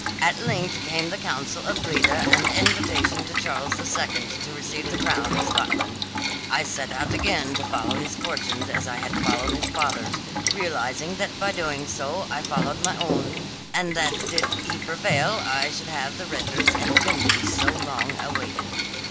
At length came the council of Breda and the invitation to Charles the Second to receive the crown of Scotland. I set out again to follow his fortunes as I had followed his father's, realizing that by so doing I followed my own, and that did he prevail I should have the redress and vengeance so long awaited.